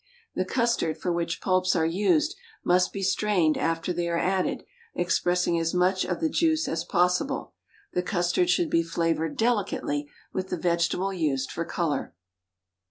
The custard for which pulps are used must be strained after they are added, expressing as much of the juice as possible. The custard should be flavored delicately with the vegetable used for color.